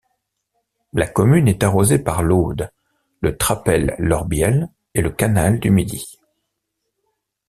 La commune est arrosée par l'Aude, le Trapel l'Orbiel et le Canal du Midi.